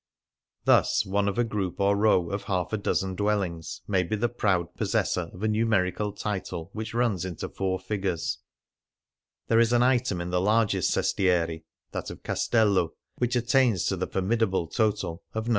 Thus, one of a group or row of half a dozen dwellings may be the proud possessor of a numerical title which runs into four figures ; there is an item 79 Things Seen in Venice in the largest sestiere — that of Castello — which attains to the formidable total of No.